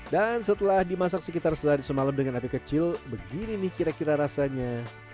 dan setelah dimasak sekitar setelah disemalam dengan api kecil begini nih kira kira rasanya